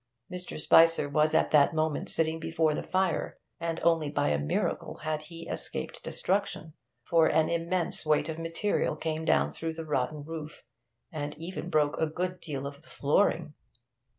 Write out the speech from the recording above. Mr. Spicer was at that moment sitting before the fire, and only by a miracle had he escaped destruction, for an immense weight of material came down through the rotten roof, and even broke a good deal of the flooring.